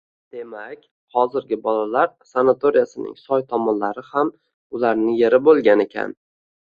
Demak, xozirgi bolalar sanatoriyasining soy tomonlari ham ularning yeri bo’lgan ekan.